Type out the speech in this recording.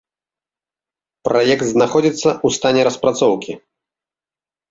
Праект знаходзіцца ў стане распрацоўкі.